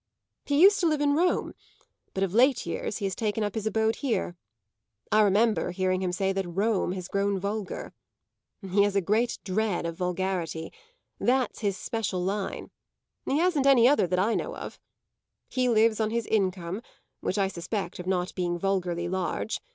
He used to live in Rome; but of late years he has taken up his abode here; I remember hearing him say that Rome has grown vulgar. He has a great dread of vulgarity; that's his special line; he hasn't any other that I know of. He lives on his income, which I suspect of not being vulgarly large.